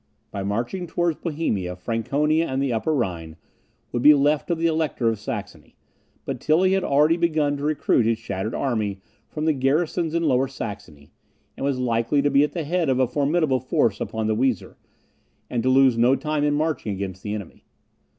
By marching towards Bohemia, Franconia and the Upper Rhine would be left to the Elector of Saxony. But Tilly had already begun to recruit his shattered army from the garrisons in Lower Saxony, and was likely to be at the head of a formidable force upon the Weser, and to lose no time in marching against the enemy.